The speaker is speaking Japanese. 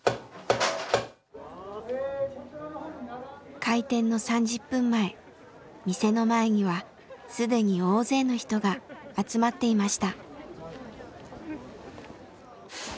開店の３０分前店の前には既に大勢の人が集まっていました。